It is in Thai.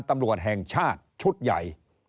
ตำรวจแห่งชาติชุดใหญ่